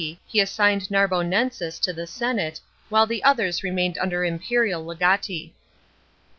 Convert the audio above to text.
he assigned Narbononsis to the senate, while the others remained under imperial legati.